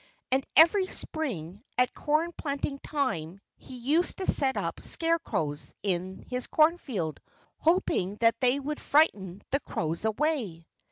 And every spring, at corn planting time, he used to set up scarecrows in his cornfield, hoping that they would frighten the crows away.